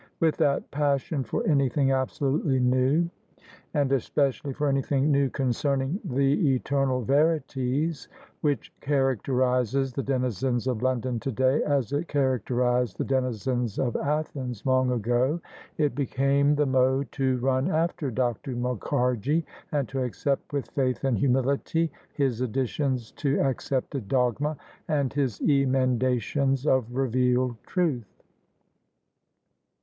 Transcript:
With that passion for anything absolutely new —and especially for anything new concerning the eternal verities — ^which characterises the denizens of London to day as it characterised the denizens of Athens long ago, it became the mode to run after Dr. Mukharji, and to accept with faith and humility his additions to accepted dogma and his emendations of revealed truth.